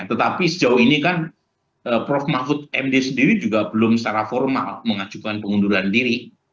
tetapi sejauh ini kan prof mahfud md sendiri juga belum secara formal mengajukan pengunduran diri